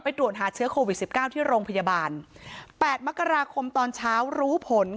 ตรวจหาเชื้อโควิดสิบเก้าที่โรงพยาบาลแปดมกราคมตอนเช้ารู้ผล